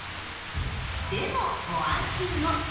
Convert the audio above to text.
でもご安心を！